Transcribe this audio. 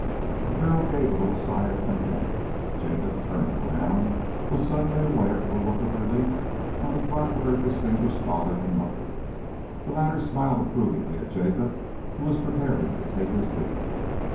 The girl gave a little sigh of content. Jacob, turning around, was suddenly aware of a look of relief on the part of her distinguished father and mother. The latter smiled approvingly at Jacob, who was preparing to take his leave.